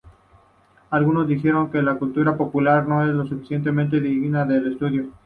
Algunos dijeron que la cultura popular no es lo suficientemente digna de estudio.